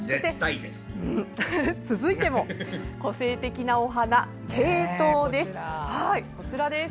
続いても、個性的なお花ケイトウです。